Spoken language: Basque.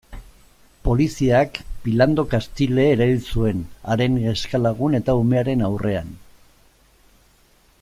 Poliziak Philando Castile erail zuen, haren neska-lagun eta umearen aurrean.